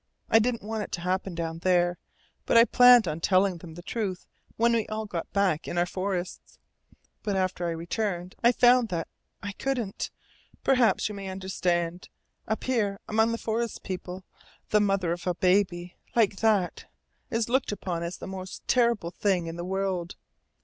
I didn't want it to happen down there, but I planned on telling them the truth when we all got back in our forests. But after I returned I found that I couldn't. Perhaps you may understand. Up here among the forest people the mother of a baby like that is looked upon as the most terrible thing in the world.